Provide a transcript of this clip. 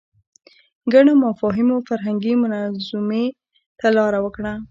ګڼو مفاهیمو فرهنګي منظومې ته لاره وکړه